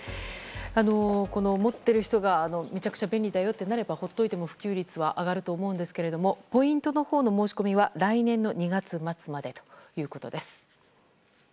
持っている人がめちゃくちゃ便利だとなれば放っておいても普及率は上がると思いますがポイントのほうの申し込みは来年の２月末までということです。